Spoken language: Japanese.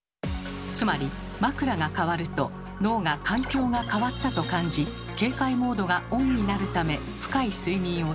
つまり枕がかわると脳が「環境が変わった」と感じ警戒モードがオンになるため深い睡眠を取れないのです。